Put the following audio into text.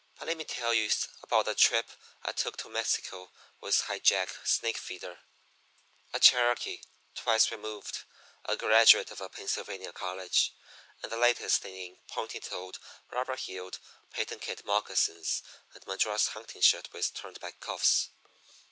"But let me tell you about the trip I took to Mexico with High Jack Snakefeeder, a Cherokee twice removed, a graduate of a Pennsylvania college and the latest thing in pointed toed, rubber heeled, patent kid moccasins and Madras hunting shirt with turned back cuffs.